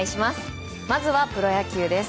まずはプロ野球です。